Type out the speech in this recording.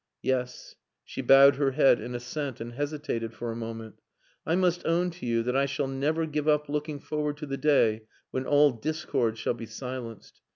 "Yes." She bowed her head in assent, and hesitated for a moment. "I must own to you that I shall never give up looking forward to the day when all discord shall be silenced.